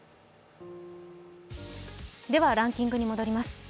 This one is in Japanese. ではランキングに戻ります。